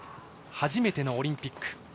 初めてのオリンピック。